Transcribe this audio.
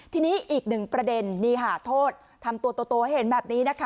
ทีนี้อีกหนึ่งประเด็นนี่ค่ะโทษทำตัวโตให้เห็นแบบนี้นะคะ